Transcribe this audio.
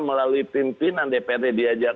melalui pimpinan dprd diajak